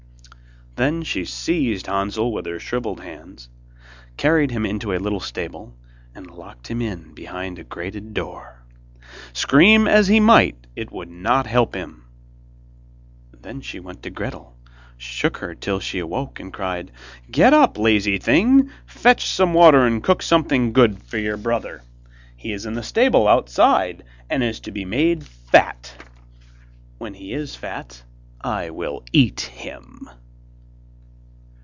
Then she seized Hansel with her shrivelled hand, carried him into a little stable, and locked him in behind a grated door. Scream as he might, it would not help him. Then she went to Gretel, shook her till she awoke, and cried: 'Get up, lazy thing, fetch some water, and cook something good for your brother, he is in the stable outside, and is to be made fat. When he is fat, I will eat him.